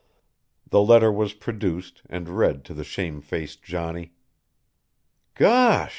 The letter was produced and read to the shamefaced Johnny. "Gosh!"